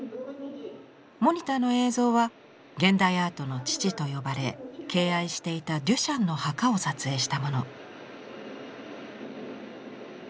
モニターの映像は現代アートの父と呼ばれ敬愛していたデュシャンの墓を撮影したもの。